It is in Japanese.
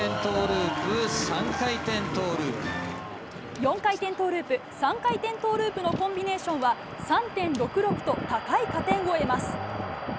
４回転トウループ３回転トウループのコンビネーションは３．６６と高い加点を得ます。